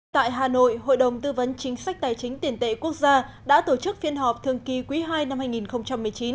tại hà nội hội đồng tư vấn chính sách tài chính tiền tệ quốc gia đã tổ chức phiên họp thường kỳ quý ii năm hai nghìn một mươi chín